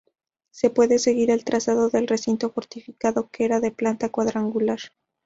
Se puede seguir el trazado del recinto fortificado, que era de planta cuadrangular.